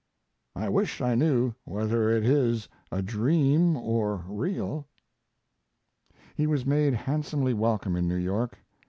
I wish I knew whether it is a dream or real. He was made handsomely welcome in New York.